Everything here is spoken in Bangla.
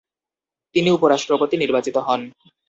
তিনি উপ-রাষ্ট্রপতি নির্বাচিত হন।